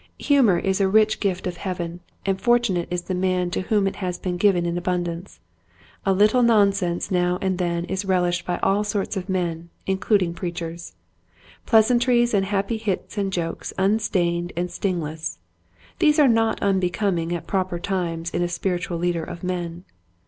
154 Quiet Hints to Growing Preachers. Humor is a rich gift of Heaven and fortunate is the man to whom it has been given in abundance. A httle nonsense now and then is rehshed by all sorts of men, including preachers. Pleasantries and happy hits and jokes unstained and stingless, these are not unbecoming at proper times in a spiritual leader of men.